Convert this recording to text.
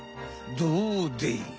どうでい！